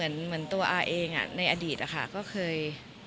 คือเหมือนตัวอ้าเองอ่ะในอดีตก็เคย